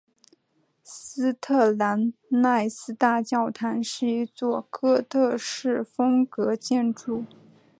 斯特兰奈斯大教堂是一座哥特式风格建筑。